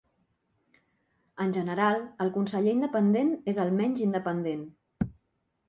En general el conseller independent és el menys independent.